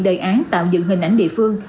đề án tạo dựng hình ảnh địa phương